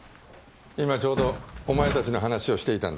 今ちょうどお前たちの話をしていたんだ。